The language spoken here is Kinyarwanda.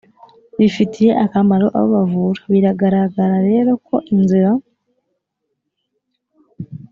bifitiye akamaro abo bavura Biragaragara rero ko inzira